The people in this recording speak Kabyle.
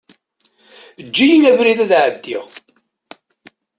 Eǧǧ-iyi abrid ad ɛeddiɣ.